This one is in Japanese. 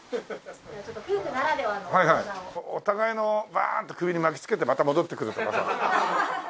お互いのバーンって首に巻き付けてまた戻ってくるとかさ。